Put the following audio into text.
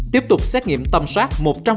tiếp tục xét nghiệm tâm soát một trăm linh